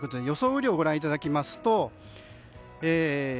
雨量をご覧いただきます。